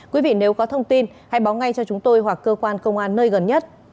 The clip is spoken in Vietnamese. quý vị nếu có thông tin hãy báo ngay cho chúng tôi hoặc cơ quan công an nơi gần nhất